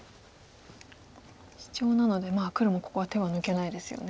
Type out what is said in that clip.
シチョウなので黒もここは手は抜けないですよね。